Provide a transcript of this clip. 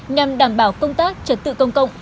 nhằm đảm bảo công tác trật tự công cộng